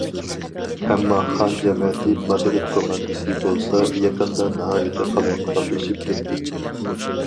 ئەمما خان جەمەتى مادرىد كوماندىسى بولسا، يېقىندا ناھايىتى قالايمىقانلىشىپ كەتتى.